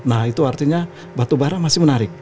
nah itu artinya batubara masih menarik